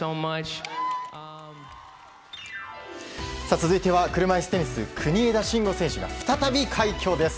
続いては車いすテニス国枝慎吾選手が再び快挙です。